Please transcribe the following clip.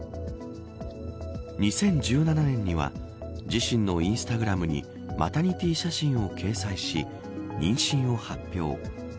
２０１７年には自身のインスタグラムにマタニティー写真を掲載し妊娠を発表。